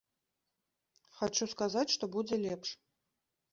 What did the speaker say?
Хачу сказаць, што будзе лепш.